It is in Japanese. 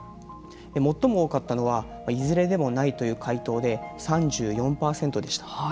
最も多かったのはいずれでもないという回答で３４％でした。